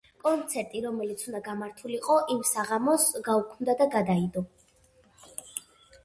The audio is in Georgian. კონცერტი, რომელიც უნდა გამართულიყო იმ საღამოს გაუქმდა და გადაიდო.